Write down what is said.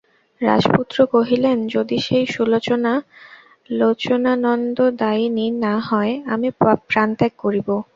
রাজপুত্র কহিলেন, যদি সেই সুলোচনা লোচনানন্দদায়িনী না হয় আমি প্রাণত্যাগ করিব।